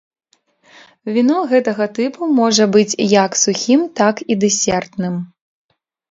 Віно гэтага тыпу можа быць як сухім, так і дэсертным.